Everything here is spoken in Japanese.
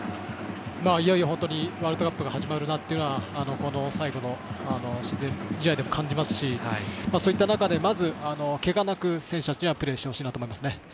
いよいよ本当にワールドカップが始まるなというのは、この試合で感じますしそういった中でけがなく選手たちプレーしてもらいたいと思います。